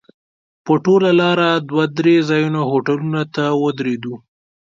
په ټوله لاره دوه درې ځایه هوټلونو ته ودرېدو.